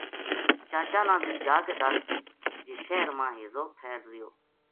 چاچا نا بھی جا کے دس جے شہر ما ہیضو پھیل رہیو